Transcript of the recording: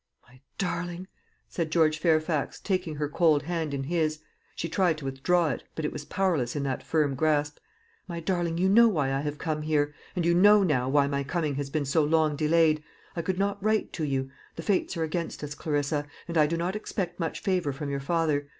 "My darling," said George Fairfax, taking her cold hand in his she tried to withdraw it, but it was powerless in that firm grasp "My darling, you know why I have come here; and you know now why my coming has been so long delayed. I could not write to you. The Fates are against us, Clarissa, and I do not expect much favour from your father.